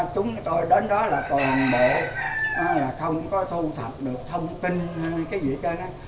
chúng tôi đến đó là toàn bộ không có thu thập được thông tin hay cái gì hết